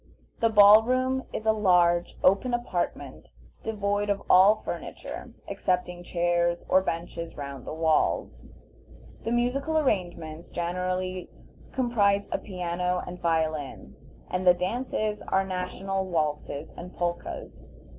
The ball room is a large, open apartment devoid of all furniture excepting chairs or benches round the walls; the musical arrangements generally comprise a piano and violin, and the dances are national waltzes and polkas.